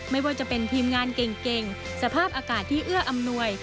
ไม่ว่าจะเป็นทีมงานเก่งสภาพอากาศที่เอื้ออำนวย